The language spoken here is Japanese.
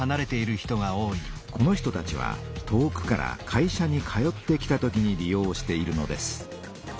この人たちは遠くから会社に通ってきた時に利用しているのです。